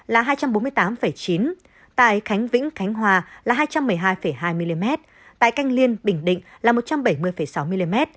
là hai trăm bốn mươi tám chín tại khánh vĩnh khánh hòa là hai trăm một mươi hai hai mm tại canh liên bình định là một trăm bảy mươi sáu mm